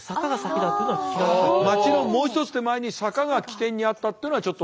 町のもう一つ手前に坂が起点にあったっていうのはちょっと。